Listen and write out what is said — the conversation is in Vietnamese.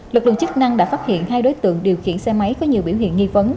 lực lượng chức năng đã phát hiện hai đối tượng điều khiển xe máy có nhiều biểu hiện nghi vấn